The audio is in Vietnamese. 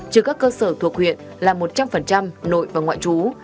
chứ các cơ sở thuộc huyện là một trăm linh nội và ngoại trú